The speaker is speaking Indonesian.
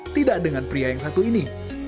tidak dengan pria yang satu ini